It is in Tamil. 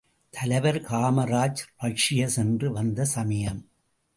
தலைவர் காமராஜ் ரஷ்யா சென்று வந்த சமயம்.